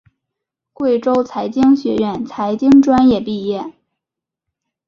贵州财经学院财政专业毕业。